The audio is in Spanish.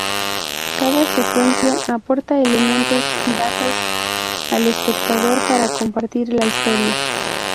Cada secuencia aporta elementos y datos al espectador para compartir la historia.